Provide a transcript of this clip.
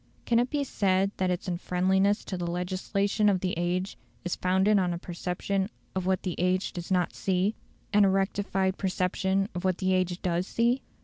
Can it be said that its unfriendliness to the legislation of the age is founded on a perception of what the age does not see, and a rectified perception of what the age does see?